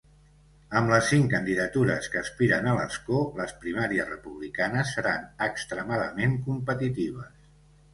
Amb les cinc candidatures que aspiren a l'escó, les primàries republicanes seran extremadament competitives.